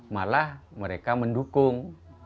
malah mereka mendukung